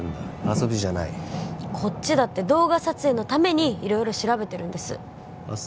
遊びじゃないこっちだって動画撮影のために色々調べてるんですあっ